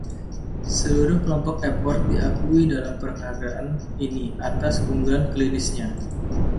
Seluruh kelompok Epworth diakui dalam penghargaan ini atas keunggulan klinisnya.